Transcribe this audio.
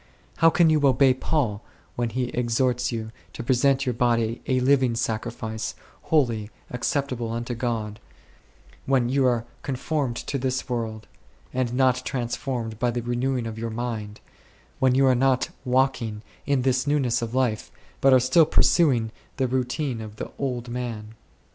How can you obey Paul when he exhorts you " to present your body a living sacrifice, holy, acceptable unto God1," when you are " conformed to this world," and not trans formed by the renewing of your mind, when you are not " walking " in this " newness of life," but still pursuing the routine of "the old man"?